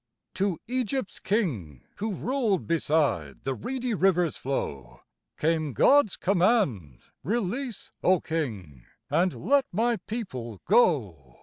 To Egypt's king, who ruled beside The reedy river's flow, Came God's command, "Release, O king, And let my people go."